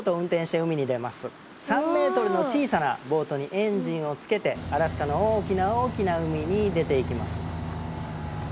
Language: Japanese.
３ｍの小さなボートにエンジンをつけてアラスカの大きな大きな海に出ていきます。